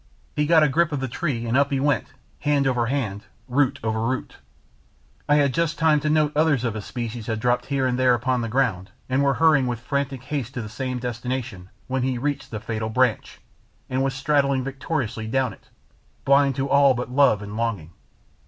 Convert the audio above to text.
He got a grip of the tree and up he went, "hand over hand," root over root. I had just time to note others of his species had dropped here and there upon the ground, and were hurrying with frantic haste to the same destination when he reached the fatal branch, and was straddling victoriously down it, blind to all but love and longing.